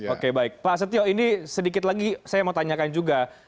oke baik pak setio ini sedikit lagi saya mau tanyakan juga